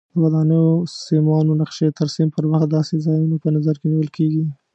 د ودانیو سیمانو نقشې ترسیم پر وخت داسې ځایونه په نظر کې نیول کېږي.